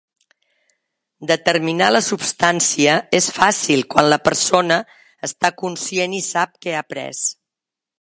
Determinar la substància és fàcil quan la persona està conscient i sap què ha pres.